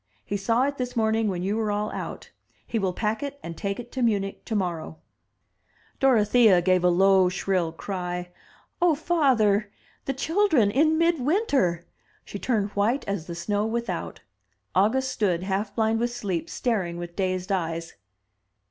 He saw it this morning when you were all out. He will pack it and take it to Munich tomorrow." 291 MY BOOK HOUSE Dorothea gave a low shrill cry: "Oh, father! — ^the children — in mid winter!*' She turned white as the snow without. August stood, half blind with sleep, staring with dazed eyes.